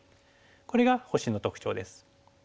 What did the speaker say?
これが星の特徴です。